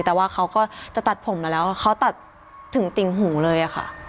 แต่ว่าเขาก็จะตัดผมมาแล้วเขาตัดถึงติ่งหูเลยค่ะ